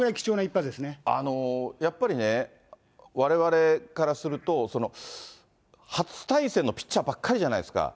やっぱりね、われわれからすると、初対戦のピッチャーばっかりじゃないですか。